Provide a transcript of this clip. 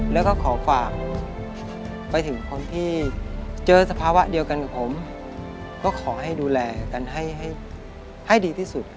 แล้วก็ขอฝากไปถึงคนที่เจอสภาวะเดียวกันกับผมก็ขอให้ดูแลกันให้ดีที่สุด